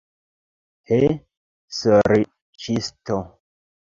He, sorĉisto!